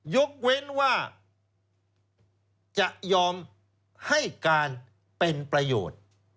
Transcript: ยกเว้นว่าจะยอมให้การเป็นประโยชน์